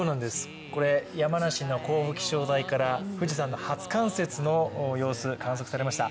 これ、山梨の甲府気象台から富士山の初冠雪の様子、観測されました。